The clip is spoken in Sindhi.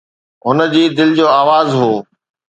هن جي دل جو آواز هو.